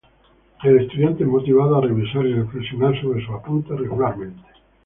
El estudiante es motivado a revisar y reflexionar sobre sus apuntes regularmente.